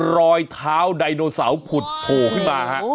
รอยเท้าไดโนเสาร์ผุดโผล่ขึ้นมาฮะ